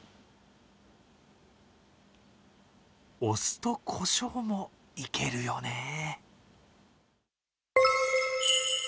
お酢とこしょうも、いけるよね。